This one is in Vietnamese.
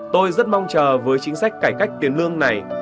tôi rất mong chờ với chính sách cải cách tiền lương này